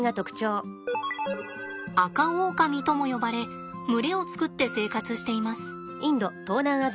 アカオオカミとも呼ばれ群れを作って生活しています。